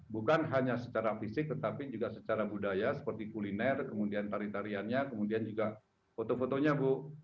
bukan hanya secara fisik tetapi juga secara budaya seperti kuliner kemudian tarian tariannya kemudian juga foto fotonya bu